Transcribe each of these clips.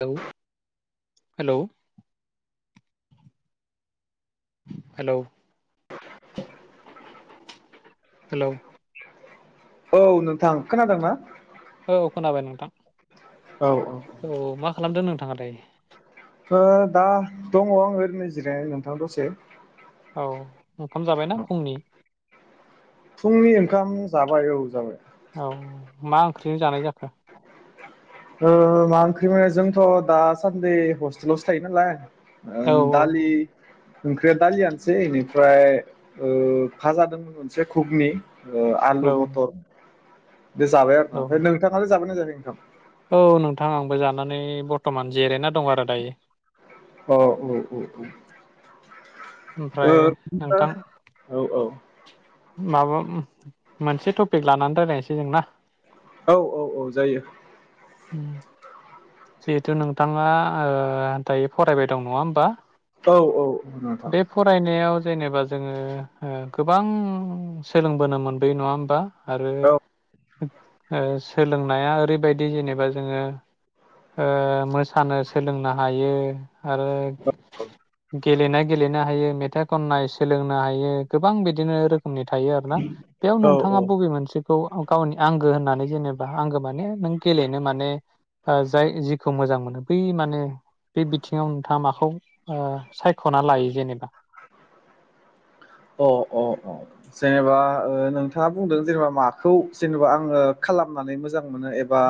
Hello hello hello औ नोंथां खोनादोंना औ खोनाबाय नोंथां। औ औ खालामदों नोंथाङा दायो ओ दा दङ ओरैनो जिरायनानै नोंथां दसे औ ओंखाम जाबायना फुंनि? फुंनि ओंखाम जाबाय औ जाबाय औ मा ओंख्रिजों जानाय जाखो? ओ मा ओंख्रिमोन जोंथ' दासान्दि हस्टेलावसो थायो नालाय ओ औ दालि ओंख्रिया दालियानोसै इनिफ्राय ओ फाजा दोंङो मोनसे घुगनि औ आलु मटर दो जाबाय आरोना औ ओमफाय नोंथाङालाय जाबायना जायाखै? [unintelligible] औ नोंथां आंबो जानानै बरतमान जिरायना दं आरो दायो। अ उम उम उम ओ ओमफ्राय बिदिनो नोंथां औ औ माबा मोनसे टपिक लानानै रायलायनोसै जों ना? औ औ औ जायो। उम जिहेथु नोंथाङा ओ दायो फरायबाय दं नङा होमबा? औ औ नोंथां बे फरायनायाव जेनेबा जोङो ओ गोबां सोलोंबोनो मोनबोयो नङा होमबा? आरो औ ओ सोलोंनाया ओरैबायदि जेनेबा जोङो ओ मोसानो सोलोंनो हायो आरो गेलेनाय गेलेनो हायो मेथाइ खननाय सोलोंनो हायो गोबां बिदिनो नि थायो आरोना बेयाव औ औ नोंथाङा औ बबे मोनसेखौ गावनि आंगो होननानै जेनेबा आंगो माने नों गेलेनो माने जाय जिखौ मोजां मोनो बै माने बे बिथिङाव नोंथाङा माखौ ओ सायख'ना लायो जेनेबा? अ अ अ जेनेबा ओ नोंथाङा बुंदों जेनेबा माखौ जेनेबा आङो खालामनानै मोजां मोनो एबा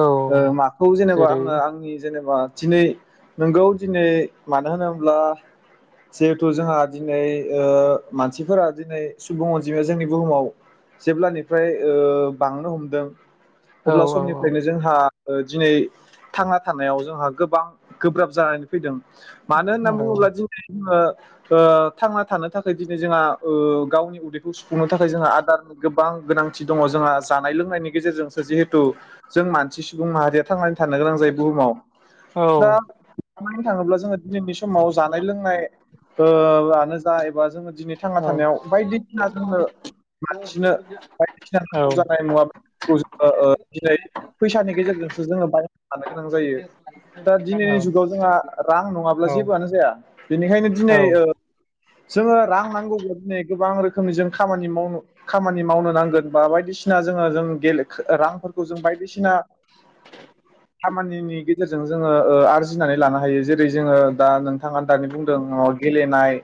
औ ओ माखौ जेनेबा जेरै आङो आंनि जेनेबा दिनै नोंगौ दिनै मानो होनोब्ला जिहेथु जोंहा दिनै ओ मानसिफोरा दिनै सुबुं अनजिमाया जोंनि बुहुमाव जेब्लानिफ्राय ओ बांनो हमदों औ अब्ला समनिफ्रायनो जोंहा ओ दिनै थांना थानायाव जोंहा गोबां गोब्राब जानानै फैदों मानो औ होनना बुङोब्ला दिनै जोङो ओ थांना थानो थाख खाय दिनै जोंहा ओ गावनि उदैखौ सुफुंनो थाखाय दिनै जोंहा ओ गावनि उदैखौ सुंफुंनो थाखाय आदारनि गोबां गोनांथि दङ जोंहा जानाय लोंनायनि गेजेरजोंसो जिहेथु जों मानसि सुबुं माहारिया थांनानै थानो गोनां जायो बुंहुमाव औ दा बुंनो थाङोब्ला जोङो ओ दिनै बे समाव जानाय लोंनाय ओ आनो जा [unintelligible] दिनै थांना औ थानायाव बायदिसिना जोंओ मानसिनो बायदिसिना औ नांगौ जानाय मुवा बेादफोरखौ जोङो दिनै फैसानि गेजेरजोंसो जोङो बाय थानो गोनां जायो दा दिनैनि औ जुगाव जोंहा रां नङाब्ला औ जेबोआनो जाया। बेनिखायनो औ दिनै ओ जोङो रां नांगौब्ला दिनै गोबां रोखोमनि जों खामानि माव खामानि मावनो नांगोन बा बायदिसिना जोङो जों गेले रां फोरखौ जों बायदिसिना खामानिनि गेजेरजों जोङो आरजिनानै लानो हायो जेरै जोङो दा नोंथाङा दानि बुंदों माबा गेलेनाय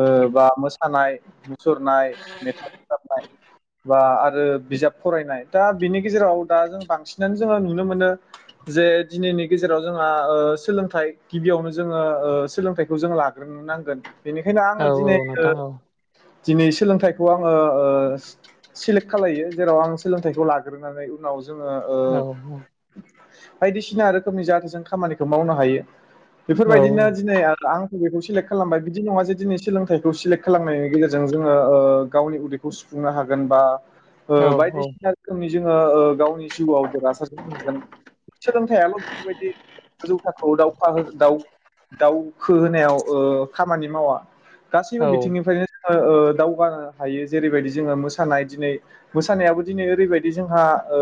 ओ बा मोसानाय सुरनाय मेथाइ रोजाबनाय बा आरो बिजाब फरायनाय दा बिनि गेजेराव दा जों बांसिनानो जोङो नुनो मोनो जे दिनैनि गेजेराव जोंहा ओ सोलोंथाइ गिबियावनो जोङो ओ सोलोंथाइखौ जों लाग्रो नांगोन। बेनिखायनो औ आङो दिनै ओ नोंथां औ दिनै सोलोंथाइखौ आङो ओ सेलेक्ट खालायो जेराव आं सोलोंथाइखौ लाग्रोनानै उनाव जोङो ओ औ बायदिसिना रोखोमनि जाहाथे जों खामानिखौ मावनो हायो। औ बेफोरबायदिनो दिनै आरो आं बेखौे सेलेक्ट खालामबाय बिदि नङा जे दिनै सोलोंथाइखौ सिलेक्ट खालामनायनि गेजेरजों जोङो ओ गावनि उदैखौ सुफुंनो हागोन बा ओ औ बायदिसिना रोखोमनि जोङो ओ गावनि जिउआव देरहासार सोलोंथायाइल बेफोरबायदि गोजौ थाखोआव दावखा दाव दावखो होनायाव ओ खामानि मावा गासैबो औ बिथिंनिफ्रायनो ओ दावगानो हायो। जेरैबायदि जोङो मोसानाय दिनै मोसानायाबो दिनै ओरैबायदि जोंहा ओ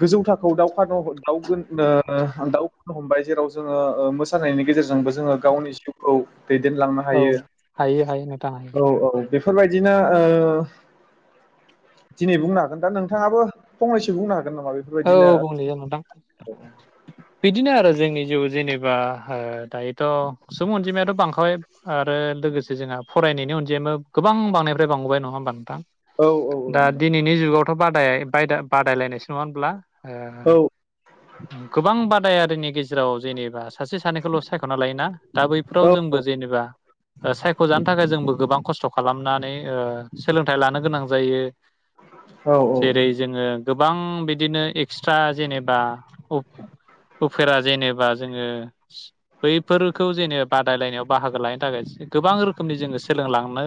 गोजौ थाखोआव दावानो दग-दावगानो हमबाय जेराव जोङो मोसानायनि गेजेरजोंबो जोङो गावनि जिउ औ दैदेनलांनो औ हायो हायो हायो नोंथां हायो औ औ बेफोरबायदिनो ओ दिनै बुंनो हागोन दा नोंथाङाबो फंनैसो बुंनो हा औ बंनैसो नोंथां बिदिनो आरो जोंनि जिउ जेनेबा ओ दायोथ सुबुं अनजिमायाथ बांखाबाय आरो लोगोसे जोंहा फरायनायनि अनजिमायाबो गोबां बांनायनिफ्राय बांबोबाय नङा होमबा नोंथां? औ औ दा नोंथां दिनैनि जुगाव थ बादाय-बायदा-बादायलायनायसो नङा [inaudible] औ गोबां बादायारिनि गेजेराव जेनेबा सासे सानैखौल सायखना लायोना दा बैफोराव औ जोंबो जेनेबा ओ सायखजानो थाखाय जोंबो गोबां खस्थ खालामनानै ओ सोलोंथाइ लानो गोनां जायो। जेरै जोङो गोबां बि बिदिनो एक्सट्रा जेनेबा उफ-उफेरा जेनेबा जोङो बैफोरखौ जेनेबा बादायलायनायाव बाहागो लानो थाखाय गोबां रोखोमनि जोङो सोलोंलांनो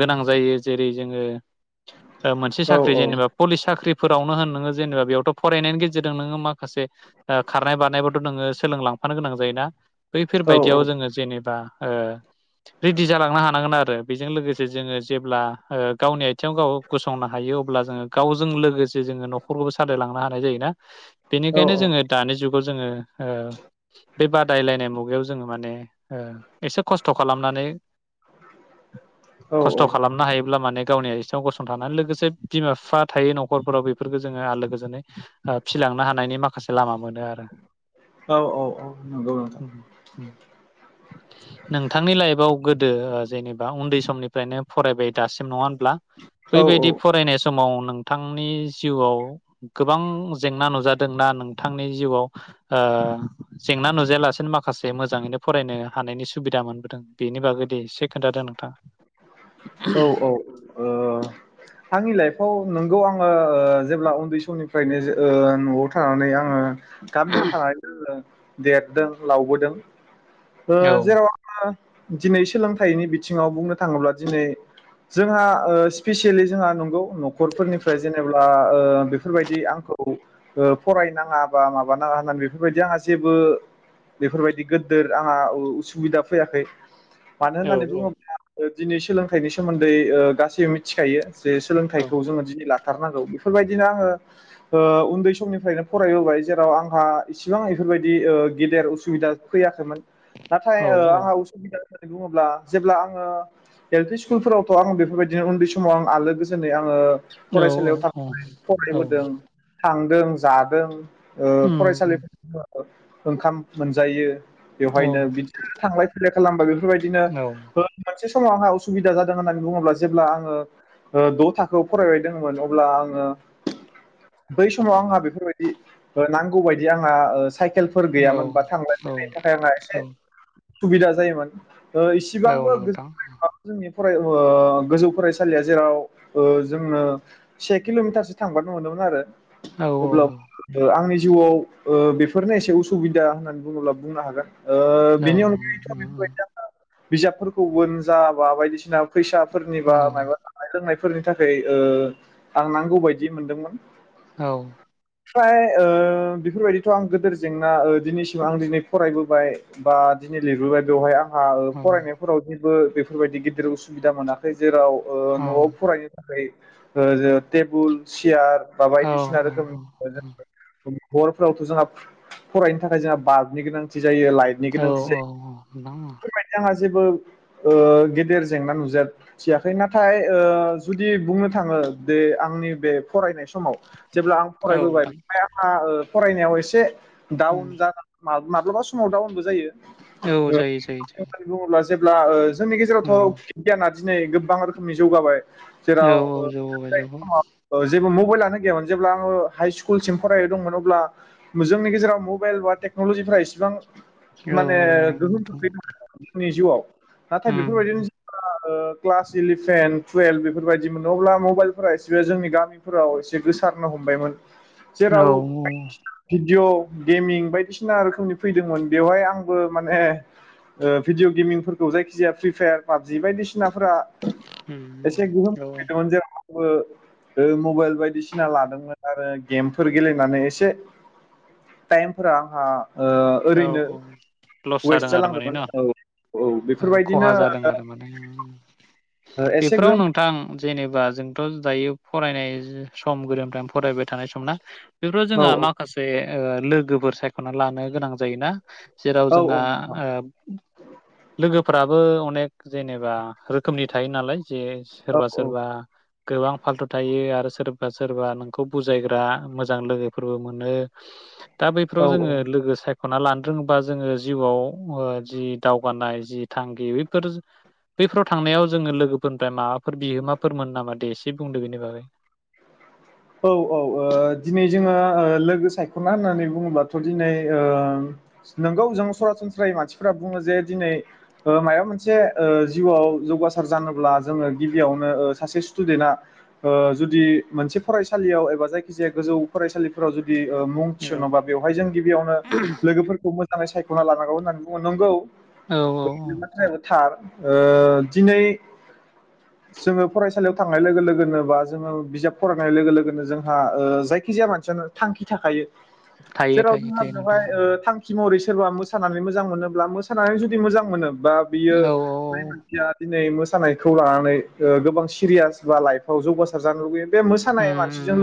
गोनां जायो। जेरै जोङो ओ मोनसे औ साख्रि जेनेबा पलिस साख्रि फोरावनो होन नोङो जेनेबा बेयावथ फरायनायनि गेजेरजों नोङो माखासे ओ खारनाय बारनायबोथ नोङो सोलोंलांफानो गोनां जायोना बैफोर औ औ बायदियाव जोङो जेनेबा ओ रेडि जालांनो हानांगोन आरो बेजों लोगोसे जोङो जेब्ला ओ गावनि आथिङाव गाव गसंनो हायो अब्ला जोङो गावजों लोगोसे जोङो नखरखौबो सालायलांनो हानाय जायोना बेनिखायनो जोङो दानि जुग गाव जोङो ओ बे बादायलायनाय मुगायाव जोङो माने ओ एसे खस्थ खालामनानै औ खस्थ खालामनो हायोब्ला माने गावनि आयथिङाव गसंथानानै लोगोसे बिमा बिफा थायो नखरफोराव फोरखो जोङो आरो गोजोनै ओ फिलांनो हानायनि माखासे लामा मोनो आरो औ औ नंगौ नोंथां नोंथांनि लाइफआव गोदो जेनेबा उन्दै समनिफ्रायनो फरायबाय दासिम नङा ब्ला औ बैबायदि फरायनाय समाव नोंथांनि जिउआव गोबां जेंना नुजादोंना नोंथांनि जिउआव ओ जेंना नुजायालासिनो माखासे मोजाङैनो फरायनो हानायनि सुबिदा मोनबोदों बेनि बागै दे एसे खोन्थादो नोंथां औ औ ओ आंनि लाइफ औ नोंगौ आङो जेब्ला उन्दै समनिफ्रायनो ओ नआव थानानै आङो गामियाव थानायदो जोङो देरदों लावबोदों ओ औ जेराव आङो दिनै सोलोंथाइनि बि थिङाव बुंनो थाङोब्ला दिनै जोंहा ओ स्पेसियेलि जोंहा नंगौ नखर फोरनिफ्राय जेनेबा ओ बेफोरबायदि आंखौ फरायनाङा बा माबानाङा होननानै बेफोरबायदि आंहा जेबो बेफोरबायदि गोदोर आंहा उसुबिदा फैयाखै। मानो औ होननानै बुङो ओ दिनै सोलोंथाइनि सोमोन्दै ओ गासैबो मिथिखायो जे सोलोंथाइखौ जोङो दिनै ला थारनांगौ बेफोरबायदिनो आङो ओ उन्दै समनिफ्रायनो फरायबोबाय जेराव आंहा इसिबां इफोरबायदि ओ गेदेर उसुबिदा फैयाखैमोन। नाथाय औ ओ आंहा औ उसुबिदा बुङोब्ला जेब्ला आङो एल पि स्कुलफोरावथ आं बेफोरबायदिनो उन्दै समाव आं आलो गोजोनै आङो औ फरायसालियाव थांनाय औ फरायबोदों। थांदों जादों ओ उम फरायसालिफो ओंखाम मोनजायो। औ बेवहायनो बिदिनो थांलाय फैलाय खालामबागो बेफोरबायदिनो औ मोनसे समाव आंहा असिदा जादों होननानै बुङोब्ला जेब्ला आङ ओ द' थाखोआव फरायबाय दंमोन अब्ला आङो बै समाव आं बेफोरबायदि नौगौ बादि आङा ओ साइकेल खेलफोर औ गैयामोन बा थांलाय औ फैलायनि थाखाय आंहा औ एसे। उसुबिदा जायोमोन ओ औ सिबांबो नोंथां गोजोन जोंनि फराय ओ गोजौ फरायसालिया जेराव जोङो से किलमिटारसो थांबानो मोनोमोन आरो। औ अब्ला आंनि जिउआव ओ बेफोरनो एसे उसुबिदा होननानै बुङोब्ला बुंनो हागोन। ओ औ बिनि अनगायैथ बेफोरबायदि जाना बिजाबफोरखौ बोन जाबा बायदिसिना फैसा फोरनिबा मा जानाय लोंनाय फोरनि थाखाय ओ आं नांगौ बायदि मोनदोंमोन। औ फ्राय ओ बेफोरबायदिथ आं गोदोर जेंना दिनैसिम आं दिनै फरायबोबाय बा दिनै लिरबोबाय बेवहाय आंहा फरायनायफोराव [unintelligible] बो बेफोरबायदि गिदिर उसुबिदा मोनाखै जेराव ओ औ न'आव फरायनो थाखै ओ जों टेबुल चेयार बा औ बायदिसिना रोखोमनि हरफोरावथ जोंहा फरायनो थाखाय जोंहा बाल्बनि गोनांथि जायो लाइटनि औ औ गोनांथि औ नोंथां जायो जेंबो गेदेर जेंना नुजा थियाखै नाथाय ओ जुदि बुंनो थाङो बे आंनि बे फरायनाय सम समाव जेब्ला आं औ फरायबोबाय नोंथां बेहाय आंहा ओ फरायनायाव एसे डाउन जागोन मा माब्लाबा समाव दाउन‌ बो औ जायो जायो जायो अब्ला जेब्ला ओ जोंनि औ गेजेरावथ गियाना दिनै गोबां रोखोमनि जौगाबाय जेराव औ औ जौगाबाय जौगाबाय ओ जेबो मबाइलानो गैयामोन जेब्ला आङो हाइ स्कुलसिम फरायदोंंमोन अब्ला जोंनि गेजेराव मबाइल बा टेक्नलजिफोरा एसिबां औ माने गोहोम नोंथां खोख्लैनो हादों जोंनि जिउआव नाथाय बेफोरबायदिनो जोङो ओ क्लास इलिभेन टुवेल्भ बेफोरबायदि मोन अब्ला मबाइलफोरा एसे जोंनि गामिफोराव एसे गोसारनो हमबायमोन औ जेराव भिडिय गेमिं बायदिसिना रोखोमनि फैदोंमोन बेवहाय आंबो माने ओ भिडिअ गेमिंफोरखौ जायखिजाया फ्रि फायार पाबजि बायदिसिनाफोरा उम उम औ औ बो मबाइल बायदिसिना लादोंमोन आरो गेमफोर गेलेनानै एसे टाइमफोरा आंहा औ ओरैनो लस वेस्ट जादों आरो माने जालांदोंमोन न औ औ खहा बेफोरबायदिनो जादों आरो माने एसे बेफोराव गोहोम नोंथां जेनेबा जोंथ दायो फरायनाय सम गोदोनिफ्राय फरायबाय थानाय सम ना बेफोराव औ जोंहा माखासे लोगोफोर सायखना लानो गोनां जा जायोना जेराव औ जोंहा औ नोंथां ओ लोगोफ फोराबो अनेक जेनेबा रोखोमनि थायो नालाय। जे औ सोरबा औ सोरबा गोबां फाल्थु थायो आरो सोरबा सोरबा नोंखौ बुजायग्रा मोजां लोगोफोरबो मोनो। दा औ बैफोराव जोङो लोगो साय खना लानो रोङोबा जोङो जिउआव ओ जि दावगानाय जि थांखि बेफोर बैफोराव थांनायाव जोङो लोगोफोरनिफ्राय माबा फोर बिहोमाफोर मोनो नामा दे एसे से बुंदों बिनि बागै। औ औ ओ दिनै जोङो ओ लोगो सायखना होननानै बुङोबाथ दिनै ओ नोंगौ जों सरासनस्रायै मानसिफोरा बुङो जे दिनै ओ मायबा मोनसे जिउआव जौगासार जानोब्ला जोङो गिबियावनो ओ सासे स्टुडेन्टआ ओ जुदि मोनसे फरायसालियाव एबा जायखिजाया गोजौ फरायसालिफोराव जुद दि मुं औ थिसनोबा बेवहाय जों गिबियावनो लोगोफोरखौ मो होननानै सायखना लानांगौ होननानै बुङो नोंगौ। औ औ नोंथांनि बाथ्रायाबोथार ओ दिनै जोङो फरायसालियाव थांनाय लोगो लोगोनो बा जोङो बिजाब फरायनाय लोगो लोगोनो जोंहा ओ जायखिजाया मानसियानो थांखि थाखायो। थायो जेराव थायो जोंहा थायो नोंथां बेवहाय ओ थांखि महरै सोरबा मोसानानै मोजां मोनो ब्ला मोसानानै जुदि मोजां मोनो बा बियो औ बै औ मानसिया दिनै मोसा सानायखौ लानानै ओ गोबां सिरियास बा लाइफाव जौगासार जानो लुबैयो बे उम मोसानाय मानसिजों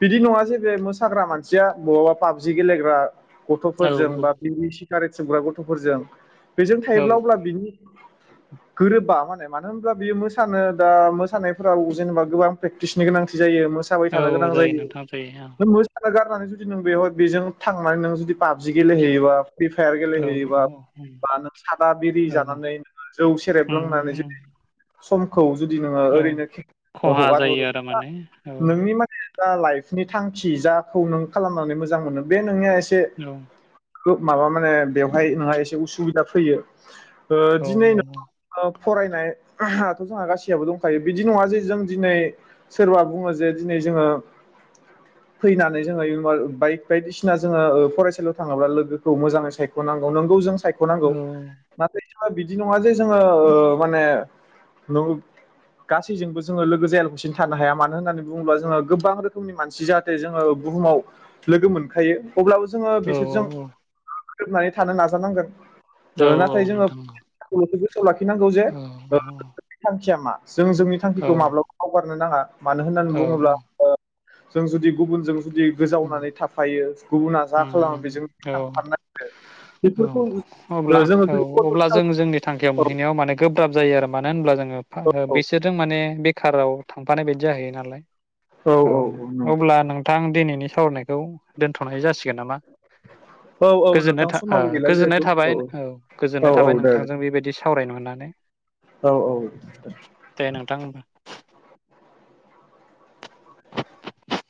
बिदि नङा जे बे मोसाग्रा मानसिया बहाबा पाबजि गेलेग्रा उम गथफोरजों औ बा बिनि सि गारेट सोबग्रा गथफोरजों बेजों औ थायोब्ला अब्ला बिनि गोरोबा माने मानो होनब्ला बियो मोसानो दा मोसानायफोराव जेनेबा गोबां प्रेक्टिसनि गोनांथि जायो मोसाबाय औ थानो औ गोनां जायो नोंथां जायो औ [inaudible] बा गारनानै जुदि नों बेवहाय बेजों थांनानै नों जुदि पाबजि गेलेहैयोबा फ्रि फायार औ गेलेहैयोबा औ बा नों सादा बिरि औ जानानै नोङो जौ सेरेब लोंनानै उम जुदि समखौ जुदि नोङो ओरैनो खि हगारहर दामाने औ जा लाइफनि थांखि जाखौ नों खालामनानै मोजां मोनो बे नोंनि एसे औ खोब माबा माने बेवहाय नोंहा एसे उसुबिदा फैयो ओ औ दिनै [unintelligible] फरायनाय याथ जोंहा गासियाबो दंखायो बिदि नङा जे जों दिनै सोरबा बुङो जे दिनै जोङो फैनानै जोङो इउमाल बाइक बायदिसिना जोङो ओ फरायसालियाव थाङाब्ला लोगोखौ मोजाङै सायखनांगौ नोंगौ जों सायखनांगौ नाथाय बिदि नङा जे जोङो ओ माने [inaudible] गासैजोंबो जोङो लोगो जायालसेनो थानो हाया मानो होननानै बुङोब्ला जोङो गोबां रोखोमनि मानसि जाहाथे जोङो बुहुमाव लोगो मोनखायो अब्लाबो जोङो औ बिसोरजों गोरोबनानै थानो नाजानांगोन औ ओ औ नाथाय जोङो नोंथां [inaudible] सोआव लाखिनांगौ जे ओ औ नों नोंनि थांखिया मा जों जोंनि औ थांखिखौ माब्लाबा माव गारनो नाङा मानो होननानै औ बुङोब्ला ओ जों जुदि गुबुन जों उम जा खालामो उम बेजों औ थांफानाय औ बेफोरखौ अब्ला जोङो औ जुदि कन्ट्रल अब्ला जों खालाम जोंनि थांखियाव मोनहैनायाव माने गोब्राब जायो आरो मानो होनब्ला जोङो फा औ बिसोरजों माने ए बेखाराव थांफानाय बायदि जाहैयो नालाय औ अब्ला नोंथां दिनैनि सावरायनायखौ दोनथनाय जासि गोन नामा औ औ गोजोननाय नोंथां था ओ समाबो गैला गोजोननाय जिहेथु थाबाय औ औ गोजोननाय थाबाय औ दे नोंथांजों बेबायदि सावरायनो मोननानै औ औ दे नोंथां ओनबा।